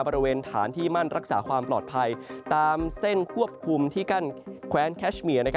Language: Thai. บริเวณฐานที่มั่นรักษาความปลอดภัยตามเส้นควบคุมที่กั้นแคว้นแคชเมีย